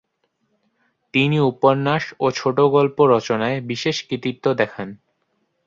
তিনি উপন্যাস ও ছোটগল্প রচনায় বিশেষ কৃতিত্ব দেখান।